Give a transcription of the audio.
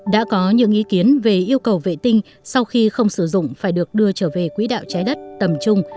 đã có những ý kiến về yêu cầu vệ tinh sau khi không sử dụng phải được đưa trở về quỹ đạo trái đất tầm trung